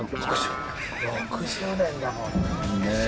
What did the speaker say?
６０年だもんね。